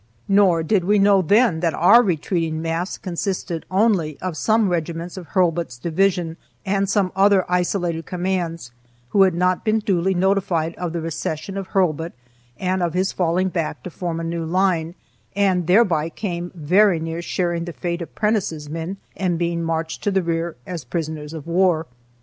Nor did we know then that our retreating mass consisted only of some regiments of Hurlbut's division, and some other isolated commands, who had not been duly notified of the recession of Hurlbut and of his falling back to form a new line, and thereby came very near sharing the fate of Prentiss' men and being marched to the rear as prisoners of war.